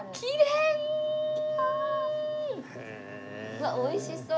うわっおいしそう。